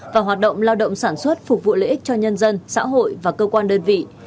và hoạt động lao động sản xuất phục vụ lợi ích cho nhân dân xã hội và cơ quan đơn vị